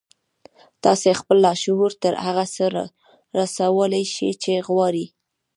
تاسې خپل لاشعور ته هغه څه رسولای شئ چې غواړئ